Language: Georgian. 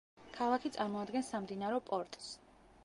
ქალაქი წარმოადგენს სამდინარო პორტს.